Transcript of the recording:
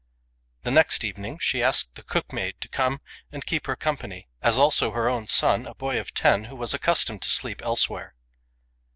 The next evening she asked the cook maid to come and keep her company ; as also her own son, a boy of ten, who was accustomed to sleep elsewhere.